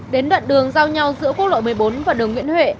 đến đoạn đường giao nhau giữa quốc lộ một mươi bốn và đường nguyễn huệ